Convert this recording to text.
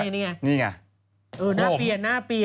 นี่ไง